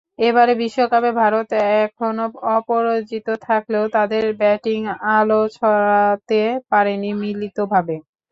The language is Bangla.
এবারের বিশ্বকাপে ভারত এখনো অপরাজিত থাকলেও তাদের ব্যাটিং আলো ছড়াতে পারেনি মিলিতভাবে।